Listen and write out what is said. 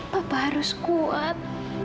papa harus kuat